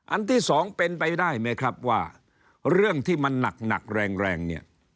ที่สองเป็นไปได้ไหมครับว่าเรื่องที่มันหนักแรงแรงเนี่ย